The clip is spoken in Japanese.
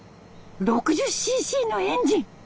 ６０ｃｃのエンジン！